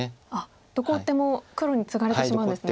どこ打っても黒にツガれてしまうんですね。